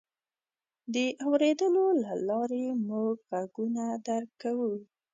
د اورېدلو له لارې موږ غږونه درک کوو.